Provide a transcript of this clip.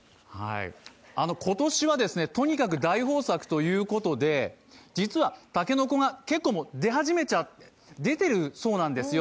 今年はとにかく大豊作ということで、実は竹の子が結構もう出てるそうなんですよ。